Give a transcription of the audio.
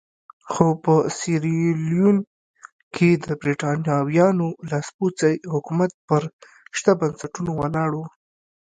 خو په سیریلیون کې د برېټانویانو لاسپوڅی حکومت پر شته بنسټونو ولاړ وو.